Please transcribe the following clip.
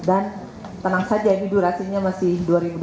dan tenang saja ini durasinya masih dua ribu dua puluh tujuh